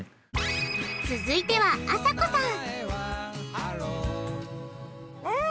続いてはあさこさん！